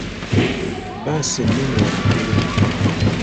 Bbaasi ennene ya bululu.